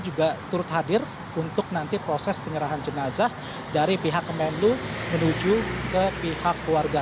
juga turut hadir untuk nanti proses penyerahan jenazah dari pihak kemenlu menuju ke pihak keluarga